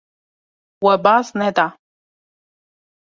We baz neda.